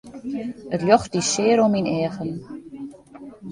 It ljocht die sear oan myn eagen.